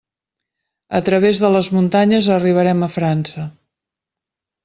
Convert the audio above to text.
A través de les muntanyes arribarem a França.